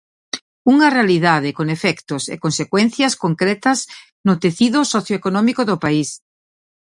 Unha realidade con efectos e consecuencias concretas no tecido socioeconómico do país.